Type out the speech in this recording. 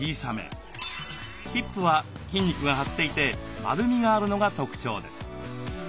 ヒップは筋肉が張っていて丸みがあるのが特徴です。